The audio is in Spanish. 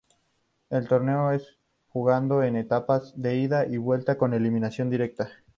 El torneo es jugado en etapas de ida y vuelta con eliminación directa.